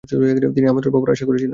তিনি আমন্ত্রণ পাবার আশা করেছিলেন।